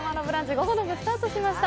午後の部スタートしました。